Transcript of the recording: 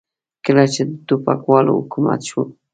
کله چې د ټوپکوالو حکومت شو.